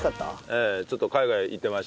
ええちょっと海外行ってまして。